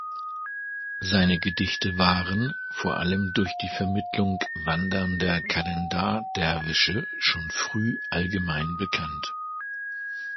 Seine Gedichte waren, vor allem durch die Vermittlung wandernder Kalendar-Derwische, schon früh allgemein bekannt.